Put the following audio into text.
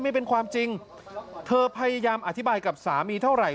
ไม่เป็นความจริงเธอพยายามอธิบายกับสามีเท่าไหร่